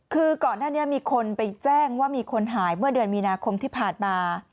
คือก่อนหน้านี้มีคนไปแจ้งว่ามีคนหายเมื่อเดือนมีนาคมที่ผ่านมา